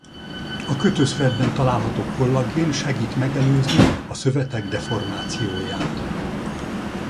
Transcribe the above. A kötőszövetben található kollagén segít megelőzni a szövetek deformációját.